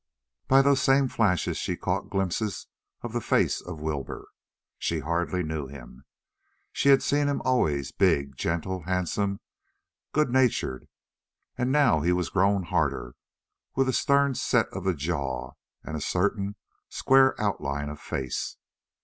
By those same flashes she caught glimpses of the face of Wilbur. She hardly knew him. She had seen him always big, gentle, handsome, good natured; now he was grown harder, with a stern set of the jaw, and a certain square outline of face.